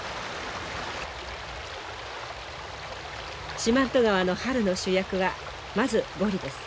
四万十川の春の主役はまずゴリです。